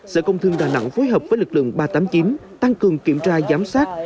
sở công thương đà nẵng phối hợp với lực lượng ba trăm tám mươi chín tăng cường kiểm tra giám sát